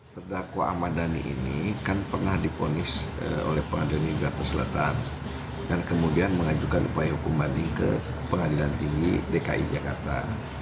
terdakwa ahmad dhani ini kan pernah diponis oleh pengadilan negeri jakarta selatan dan kemudian mengajukan upaya hukum banding ke pengadilan tinggi dki jakarta